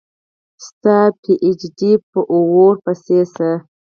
ستا پي ایچ ډي په اوور پسي شه